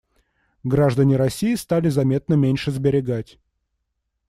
Граждане России стали заметно меньше сберегать.